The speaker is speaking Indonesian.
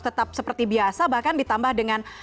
tetap seperti biasa bahkan ditambah dengan